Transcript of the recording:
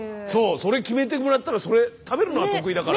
それ決めてもらったらそれ食べるのは得意だから。